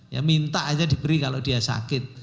ya minta aja diberi kalau dia sakit